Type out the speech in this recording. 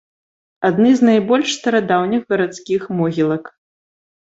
Адны з найбольш старадаўніх гарадскіх могілак.